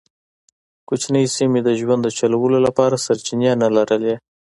کوچنۍ سیمې د ژوند د چلولو لپاره سرچینې نه لرلې.